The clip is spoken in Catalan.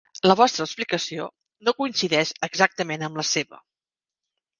La vostra explicació no coincideix exactament amb la seva.